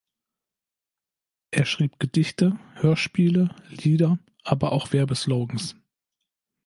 Er schrieb Gedichte, Hörspiele, Lieder, aber auch Werbeslogans.